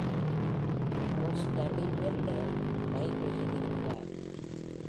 Frosterley வெர்டேல் ரயில்வேயில் இருக்கிறார்.